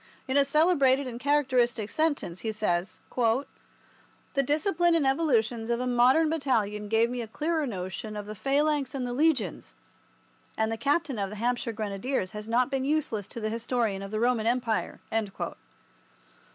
In a celebrated and characteristic sentence, he says, "The discipline and evolutions of a modern battalion gave me a clearer notion of the Phalanx and the Legions, and the captain of the Hampshire Grenadiers has not been useless to the historian of the Roman Empire."